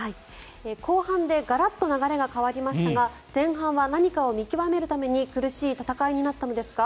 後半でガラッと流れが変わりましたが前半は何かを見極めるために苦しい戦いになったのですか？